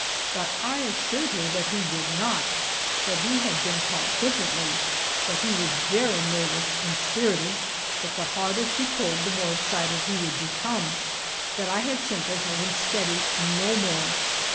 But I assured her that he would not that he had been taught differently that he was very nervous and spirited that the harder she pulled the more excited he would become that I had simply held him steady, no more.